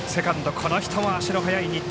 この人は足の速い新田。